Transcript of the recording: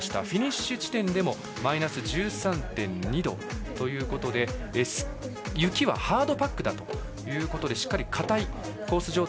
フィニッシュ地点でもマイナス１３．２度ということで雪はハードパックだということでしっかりかたいコース